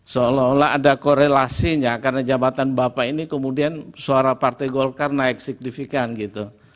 seolah olah ada korelasinya karena jabatan bapak ini kemudian suara partai golkar naik signifikan gitu